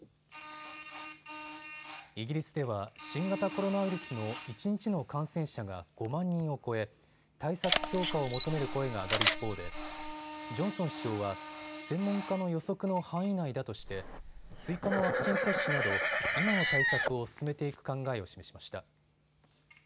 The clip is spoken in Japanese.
イギリスでは新型コロナウイルスの一日の感染者が５万人を超え対策強化を求める声が上がる一方でジョンソン首相は専門家の予測の範囲内だとして追加のワクチン接種など今の対策を進めていく考えを示しました。